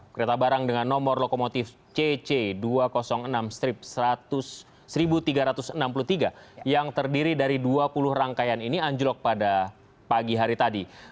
kereta barang dengan nomor lokomotif cc dua ratus enam seribu tiga ratus enam puluh tiga yang terdiri dari dua puluh rangkaian ini anjlok pada pagi hari tadi